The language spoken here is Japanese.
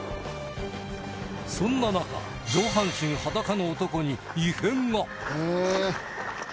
そんな中上半身裸の男に異変が